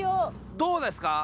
どうですか？